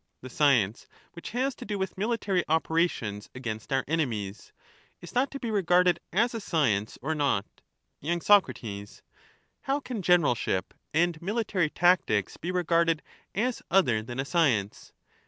The science which has to do with military operations and to against our enemies— is that to be regarded as a science or f^r^' not? ^''^' Y. Soc. How can generalship and military tactics be regarded as other than a science?